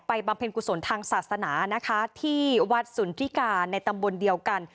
บำเพ็ญกุศลทางศาสนานะคะที่วัดสุนทิกาในตำบลเดียวกัน